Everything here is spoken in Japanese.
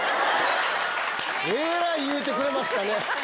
えらい言うてくれましたね。